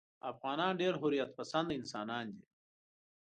افغانان ډېر حریت پسنده انسانان دي.